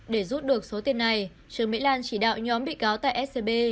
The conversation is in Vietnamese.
để rút được số tiền này trương mỹ lan chỉ đạo nhóm bị cáo tại scb